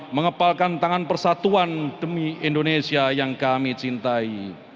mengepalkan tangan persatuan demi indonesia yang kami cintai